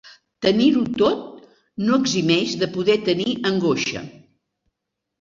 Tenir-ho tot no eximeix de poder tenir angoixa.